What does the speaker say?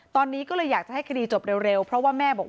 ตอนนี้ก็เลยอยากจะให้คดีจบเร็วเพราะว่าแม่บอก